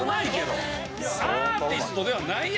アーティストではないやろ。